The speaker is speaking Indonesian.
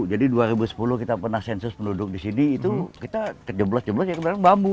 jadi dua ribu sepuluh kita pernah sensus penduduk di sini itu kita kejeblos jeblos ya kebenarannya bambu